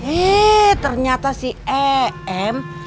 eh ternyata si em